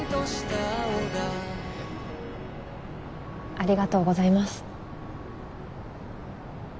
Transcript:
ありがとうございます